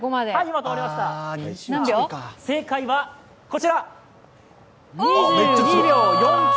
正解はこちら、２２秒４９。